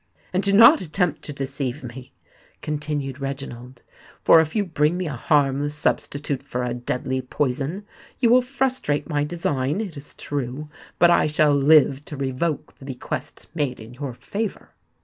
"And do not attempt to deceive me," continued Reginald; "for if you bring me a harmless substitute for a deadly poison, you will frustrate my design, it is true—but I shall live to revoke the bequest made in your favour."